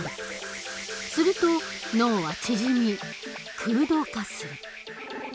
すると脳は縮み空洞化する。